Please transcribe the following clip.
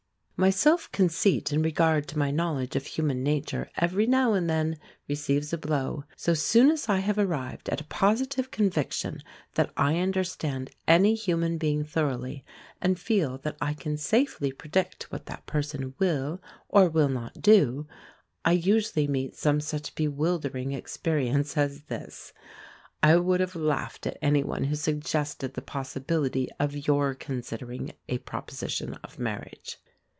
My self conceit in regard to my knowledge of human nature every now and then receives a blow. So soon as I have arrived at a positive conviction that I understand any human being thoroughly, and feel that I can safely predict what that person will or will not do, I usually meet some such bewildering experience as this. I would have laughed at any one who suggested the possibility of your considering a proposition of marriage.